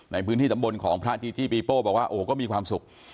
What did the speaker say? ในพื้นที่ตำบลของพระจิติปิโป้บอกว่าก็มีความสุข